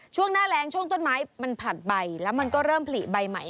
ช่วงหน้าแรงช่วงต้นไม้มันผลัดใบแล้วมันก็เริ่มผลิใบใหม่